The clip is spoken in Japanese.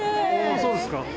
そうですか。